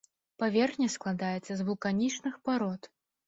Паверхня складаецца з вулканічных парод.